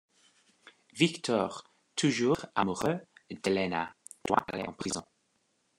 Víctor, toujours amoureux d'Helena, doit aller en prison.